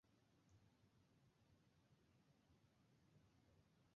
তাঁকে তাঁর এস্টেটে সমাহিত করা হয়।